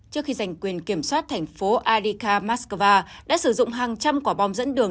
trước khi giành quyền kiểm soát thành phố adica moscow đã sử dụng hàng trăm quả bom dẫn đường